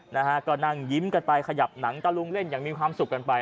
นะฮะก็นั่งยิ้มกันไปขยับหนังตะลุงเล่นอย่างมีความสุขกันไป